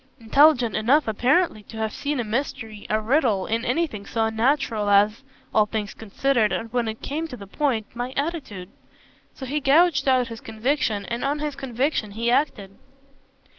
"Intelligent enough apparently to have seen a mystery, a riddle, in anything so unnatural as all things considered and when it came to the point my attitude. So he gouged out his conviction, and on his conviction he acted."